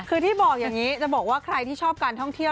คือที่บอกอย่างนี้จะบอกว่าใครที่ชอบการท่องเที่ยว